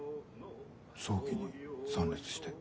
葬儀に参列して。